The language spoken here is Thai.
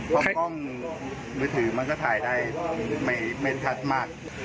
เพราะกล้องมือถือมันก็ถ่ายได้ไม่ชัดมาก